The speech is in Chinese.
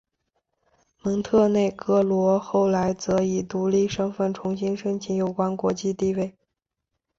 蒙特内哥罗后来则以独立身份重新申请有关国际地位。